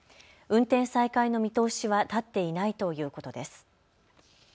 運転再開の見通しは立っていないということです。